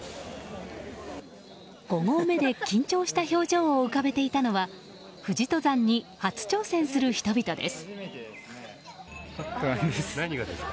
５合目で緊張した表情を浮かべていたのは富士登山に初挑戦する人々です。